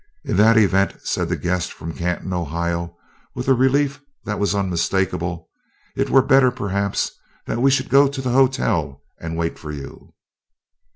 "In that event," said the guest from Canton, Ohio, with a relief that was unmistakable, "it were better, perhaps, that we should go to the hotel and wait for you."